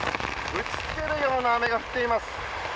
打ちつけるような雨が降っています。